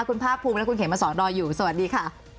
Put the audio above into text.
คุณภาคภูมิและคุณเขมสอนรออยู่สวัสดีค่ะ